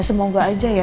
semoga aja ya